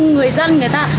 người dân người ta